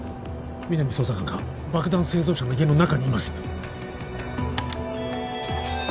皆実捜査官が爆弾製造者の家の中にいます